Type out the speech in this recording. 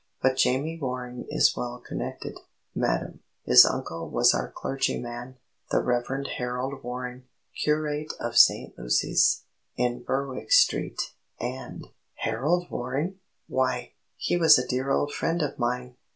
"But Jamie Waring is well connected, madam; his uncle was our clergyman, the Reverend Harold Waring, curate of St. Lucy's, in Berwick Street, and " "Harold Waring! Why, he was a dear old friend of mine!"